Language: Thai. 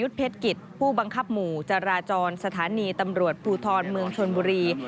เพชรกิจผู้บังคับหมู่จราจรสถานีตำรวจภูทรเมืองชนบุรี